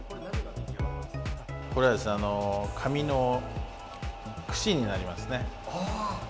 これは紙のくしになりますね。